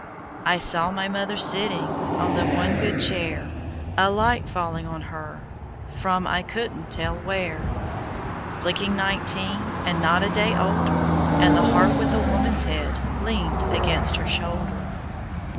I saw my mother sitting On the one good chair, A light falling on her From I couldn't tell where, Looking nineteen, And not a day older, And the harp with a woman's head Leaned against her shoulder.